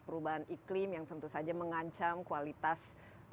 perubahan iklim yang tentu saja mengancam kualitas